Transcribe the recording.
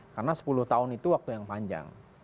karena sepuluh tahun itu waktu yang panjang